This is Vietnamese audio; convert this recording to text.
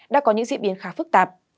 đã có những diễn biến khá phức tạp